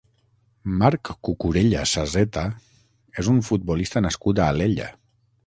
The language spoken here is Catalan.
Marc Cucurella Saseta és un futbolista nascut a Alella.